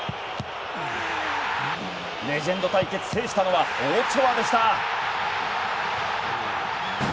レジェンド対決制したのはオチョアでした。